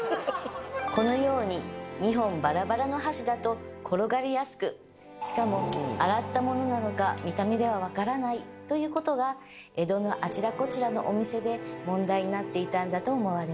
このように２本バラバラの箸だと転がりやすくしかも洗ったものなのか見た目では分からないということが江戸のあちらこちらのお店で問題になっていたんだと思われます